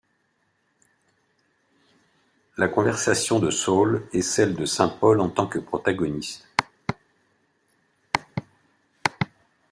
La conversion de Saül est celle de saint Paul en tant que protagoniste.